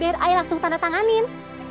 biar ayah langsung tanda tanganin